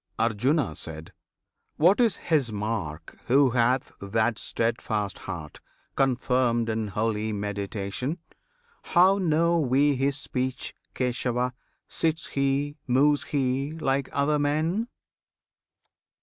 Arjuna. What is his mark who hath that steadfast heart, Confirmed in holy meditation? How Know we his speech, Kesava? Sits he, moves he Like other men?